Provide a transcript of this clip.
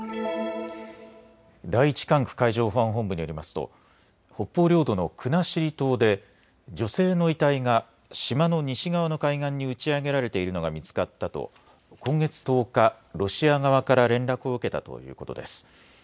第１管区海上保安本部によりますと北方領土の国後島で女性の遺体が島の西側の海岸に打ち上げられているのが見つかったと今月１０日、ロシア側から連絡を受けたということです。